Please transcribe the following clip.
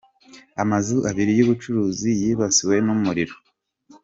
Amazu abiri y’ubucuruzi yibasiwe n’umuriro